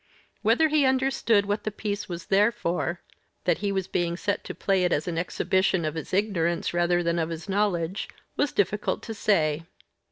Whether he understood what the piece was there for that he was being set to play it as an exhibition of his ignorance rather than of his knowledge was difficult to say.